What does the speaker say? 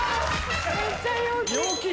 めっちゃ陽気。